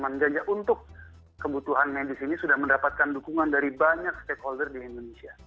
menjaga untuk kebutuhan medis ini sudah mendapatkan dukungan dari banyak stakeholder di indonesia